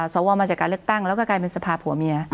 สวมาจากการเลือกตั้งแล้วก็กลายเป็นสภาพผัวเมีย